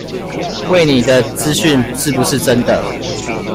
餵你的資訊是不是真的